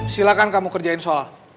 silahkan kamu kerjain soal